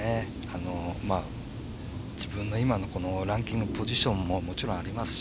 自分の今のランキングポジションももちろんありますし